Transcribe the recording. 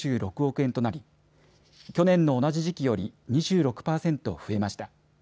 円となり去年の同じ時期より２６％増えました。